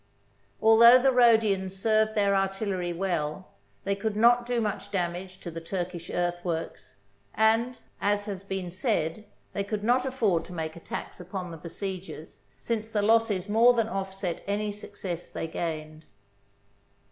Although the Rhodians served their artillery well, they could not do much damage to the Turkish earthworks, and, as has been said, they could not afford to make attacks upon the besiegers, since the losses more than offset any success they gained.